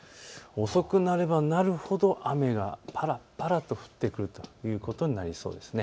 遅くなればなるほど雨がぱらぱらと降ってくるということになりそうです。